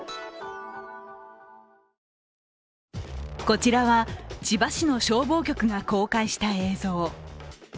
こちらは千葉市の消防局が公開した映像。